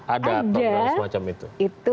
ada atau tidak semacam itu